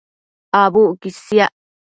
Abucquid chiac